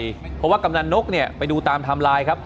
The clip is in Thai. เพราะว่ากำนันนกเนี่ยไปดูตามไทม์ไลน์ครับ